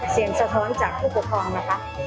เสียงสะท้อนจากผู้ปกครองเหรอคะ